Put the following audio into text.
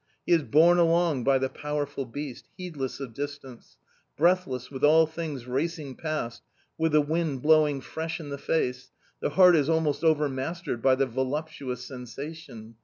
He is borne along by the powerful beast, heed less of distance. Breathless, with all things racing past, with the wind blowing fresh in the face, the heart is almost overmastered by the voluptuous sensation.